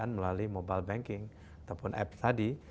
berbicara di situ tadi